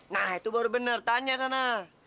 nah itu baru benar tanya sana